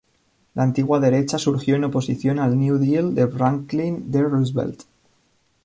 La Antigua Derecha surgió en oposición al New Deal de Franklin D. Roosevelt.